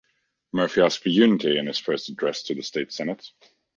Murphy asked for unity in his first address to the state senate.